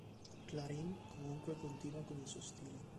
Clarín comunque continua con il suo stile.